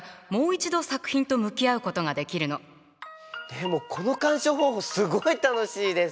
でもこの鑑賞方法すごい楽しいです。